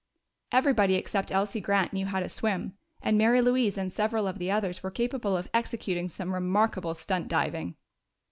Everybody except Elsie Grant knew how to swim, and Mary Louise and several of the others were capable of executing some remarkable stunt diving.